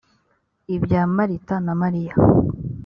ibya marita na mariya